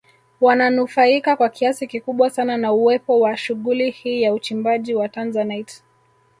Wananufaika kwa kiasi kikubwa sana na uwepo wa shughuli hii ya uchimbaji wa Tanzanite